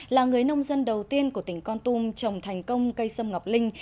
là người nông dân đầu tiên của tỉnh con tum trồng thành công cây sâm ngọc linh